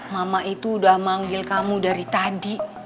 mama itu udah manggil kamu dari tadi